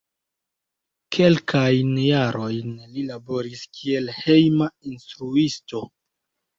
Kelkajn jarojn li laboris kiel hejma instruisto.